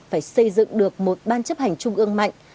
phải xây dựng được một ban chấp hành trung ương mạnh